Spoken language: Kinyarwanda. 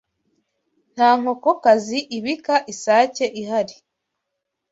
Nta nkokokazi ibika isake ihari